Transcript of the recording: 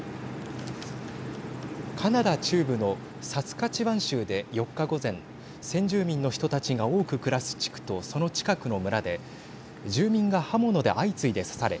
カナダ中部のサスカチワン州で４日午前先住民の人たちが多く暮らす地区とその近くの村で住民が刃物で相次いで刺され